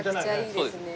そうですね。